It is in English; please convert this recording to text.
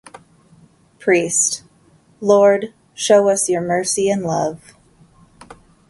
Priest: Lord, show us your mercy and love.